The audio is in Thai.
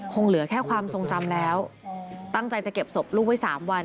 เหลือแค่ความทรงจำแล้วตั้งใจจะเก็บศพลูกไว้๓วัน